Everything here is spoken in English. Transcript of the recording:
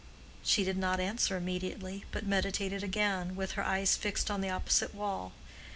She did not answer immediately, but meditated again, with her eyes fixed on the opposite wall.